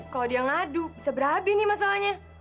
kalau dia ngadu bisa berhabis nih masalahnya